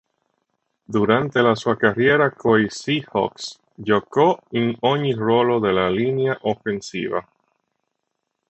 Durante la sua carriera coi Seahawks, giocò in ogni ruolo della linea offensiva.